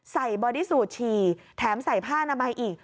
บอดี้สูตรฉี่แถมใส่ผ้านามัยอีก